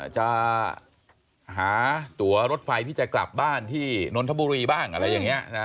จะหาตัวรถไฟที่จะกลับบ้านที่นนทบุรีบ้างอะไรอย่างนี้นะ